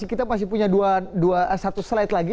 kita masih punya satu slide lagi